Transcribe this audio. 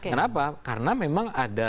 kenapa karena memang ada